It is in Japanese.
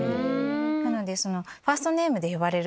なので。